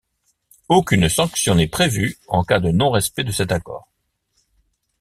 Aucune sanction n’est prévue en cas de non-respect de cet accord.